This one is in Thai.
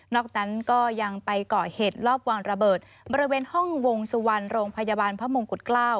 นั้นก็ยังไปเกาะเหตุรอบวางระเบิดบริเวณห้องวงสุวรรณโรงพยาบาลพระมงกุฎเกล้า